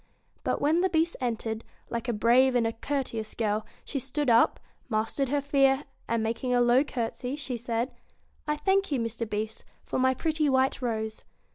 But when the Beast entered, like a brave and a courteous girl she stood up, mastered her fear, and, making a low courtesy, said :' I thank you, Mr. Beast, for my pretty white rose.'